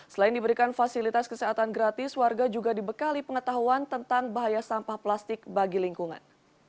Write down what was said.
selain diberikan fasilitas kesehatan gratis warga juga dibekali pengetahuan tentang bahaya sampah plastik bagi lingkungan